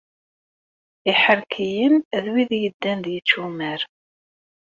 Iḥerkiyen d wid yeddan d yičumar.